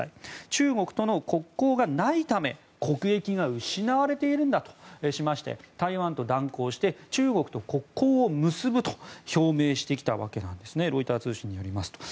中国との国交がないため国益が失われているんだとしまして台湾と断交して中国と国交を結ぶと表明してきたわけなんですねロイター通信によりますと。